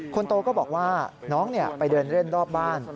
คนโตก็บอกว่าน้องไปเดินเล่นรอบบ้าน